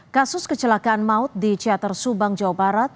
kasus kecelakaan maut di ciater subang jawa barat